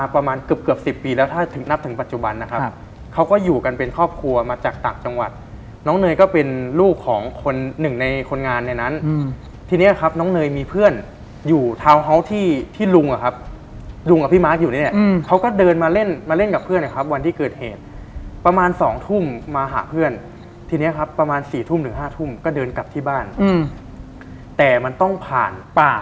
พี่แจ๊คก็อยู่กันเป็นครอบครัวมาจากตักจังหวัดน้องเนยก็เป็นลูกของคนหนึ่งในคนงานในนั้นทีนี้ครับน้องเนยมีเพื่อนอยู่ทาวน์ฮาวที่ลุงอะครับลุงกับพี่มาร์คอยู่เนี่ยเขาก็เดินมาเล่นกับเพื่อนนะครับวันที่เกิดเหตุประมาณสองทุ่มมาหาเพื่อนทีนี้ครับประมาณสี่ทุ่มถึงห้าทุ่มก็เดินกลับที่บ้านแต่มันต้องผ่าน